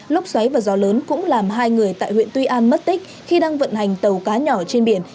lốc xoáy và gió lớn cũng làm hai người tại huyện tuy an mất tích khi đang vận hành tàu cá nhỏ trên biển